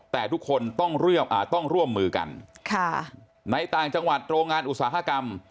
แต่ทุกคนต้องร่วมมือกันค่ะในต่างจังหวัดโรงงานอุตสาหกรรม